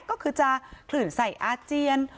ก็คือจะคลื่นใส่อาเจียน